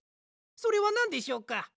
それはなんでしょうか？